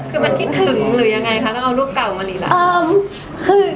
คือมันคิดถึงหรือยังไงคะต้องเอารูปเก่ามารีรับ